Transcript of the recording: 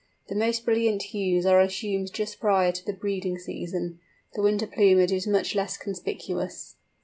The most brilliant hues are assumed just prior to the breeding season; the winter plumage is much less conspicuous.